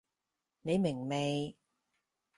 你明未？